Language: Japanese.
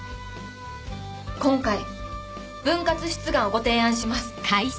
今回分割出願をご提案します。